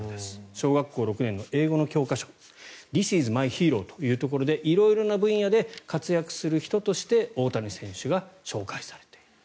小学校６年の英語の教科書「Ｔｈｉｓｉｓｍｙｈｅｒｏ．」というところで色々な分野で活躍する人として大谷選手が紹介されている。